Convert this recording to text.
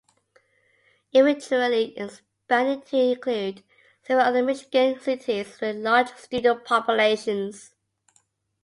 It eventually expanded to include several other Michigan cities with large student populations.